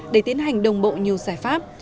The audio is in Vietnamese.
để tiến hành đồng bộ nhiều giải pháp